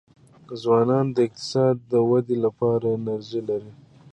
ځوانان د اقتصاد د ودې لپاره انرژي لري.